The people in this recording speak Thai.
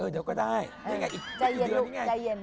เออเดี๋ยวก็ได้ยังไงอีกปีเดียวนี่ไง